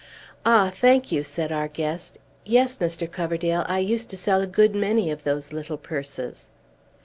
"Ah, thank you," said our guest. "Yes, Mr. Coverdale, I used to sell a good many of those little purses."